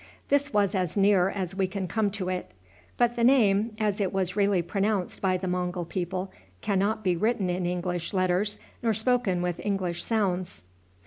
This is as near as we can come to it; but the name, as it was really pronounced by the Mongul people, can not be written in English letters nor spoken with English sounds.